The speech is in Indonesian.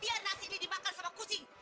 dia nasi ini dimakan sama kucing